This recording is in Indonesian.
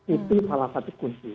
itu salah satu kunci